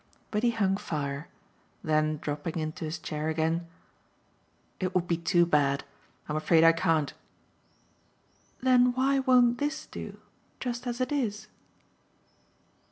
But he hung fire; then dropping into his chair again: "It would be too bad. I'm afraid I can't." "Then why won't THIS do, just as it is?"